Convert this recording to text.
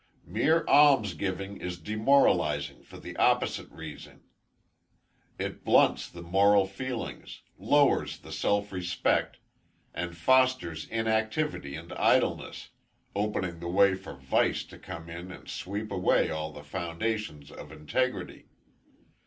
Mere alms giving is demoralizing for the opposite reason. It blunts the moral feelings, lowers the self respect, and fosters inactivity and idleness, opening the way for vice to come in and sweep away all the foundations of integrity.